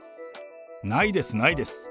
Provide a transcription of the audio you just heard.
ないです、ないです。